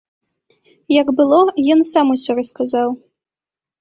Як было, ён сам усё расказаў.